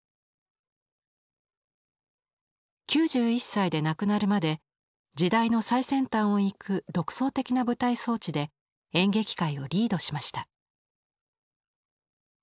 ９１歳で亡くなるまで時代の最先端を行く独創的な舞台装置で演劇界をリードしました。